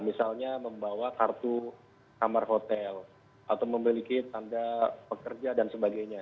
misalnya membawa kartu kamar hotel atau memiliki tanda pekerja dan sebagainya